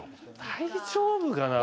大丈夫かな？